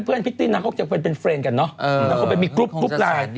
เหมือนพิตตี้นักก็จะเป็นเพื่อนแบบนั้นเนาะ